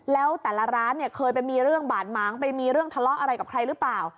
แล้วแต่ละร้านเนี่ยเคยไปมีเรื่องบาดหมางไปมีเรื่องทะเลาะอะไรกับใครหรือเปล่า